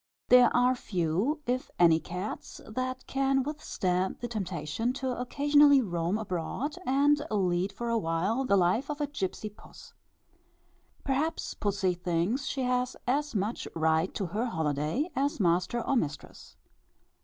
There are few, if any cats, that can withstand the temptation to occasionally roam abroad, and lead for a while the life of a gipsy puss. Perhaps pussy thinks she has as much right to her holiday, as master or mistress.